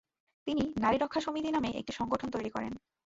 তিনি ‘নারী রক্ষা সমিতি’ নামে একটি সংগঠন তৈরি করেন।